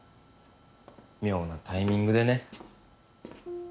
妙なタイミングでね。